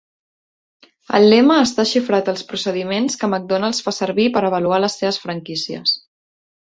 El lema està xifrat als procediments que McDonald's fa servir per avaluar les seves franquícies.